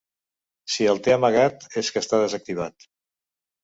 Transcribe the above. Si el té amagat, és que està desactivat.